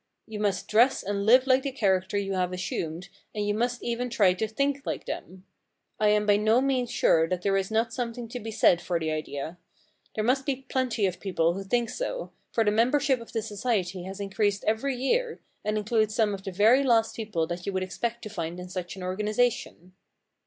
You must dress and live like the character you have assumed and you must even try to think like him. I am by no means sure that there is not some thing to be said for the idea. There must be plenty af people who think so, for the member ship of the society has increased every year, and includes some of the very last people that you would expect to find in such an organisa tion.